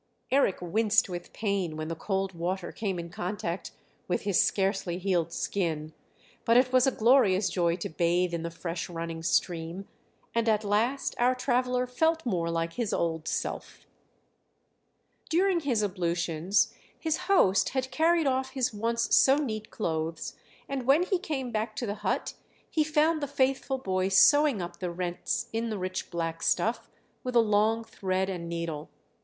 Eric winced with pain when the cold water came in contact with his scarcely healed skin; but it was a glorious joy to bathe in the fresh running stream, and at last our traveller felt more like his old self. During his ablutions his host had carried off his once so neat clothes, and when he came back to the hut he found the faithful boy sewing up the rents in the rich black stuff with a long thread and needle.